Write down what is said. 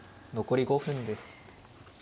残り５分です。